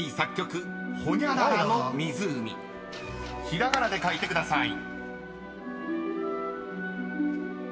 ［ひらがなで書いてください］